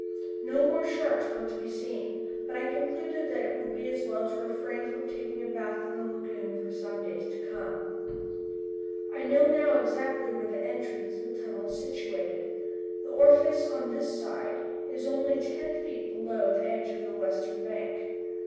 No more sharks were to be seen, but I concluded that it would be as well to refrain from taking a bath in the lagoon for some days to come. I now know exactly where the entrance to the tunnel is situated. The orifice on this side is only ten feet below the edge of the western bank.